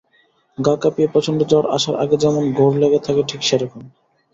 গা কাঁপিয়ে প্রচণ্ড জ্বর আসার আগে যেমন ঘোর লেগে থাকে, ঠিক সে-রকম।